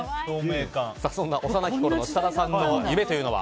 そんな幼きころの設楽さんの夢というのは。